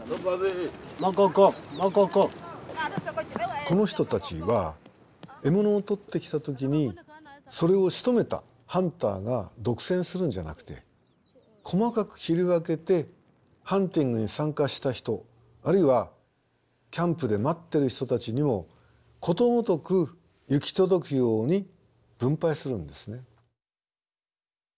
この人たちは獲物をとってきた時にそれをしとめたハンターが独占するんじゃなくて細かく切り分けてハンティングに参加した人あるいはキャンプで待ってる人たちにもことごとく行き届くように分配するんですね。